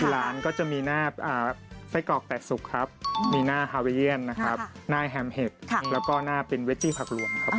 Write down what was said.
ร้านก็จะมีหน้าไส้กรอกแตกสุกครับมีหน้าฮาเวเยียนนะครับหน้าแฮมเห็บแล้วก็หน้าเป็นเวจี้ผักรวมครับ